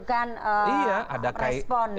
menunjukkan respon ya